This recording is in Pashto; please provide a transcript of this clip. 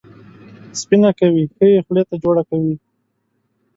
سپینه کوي، ښه یې خولې ته جوړه کوي.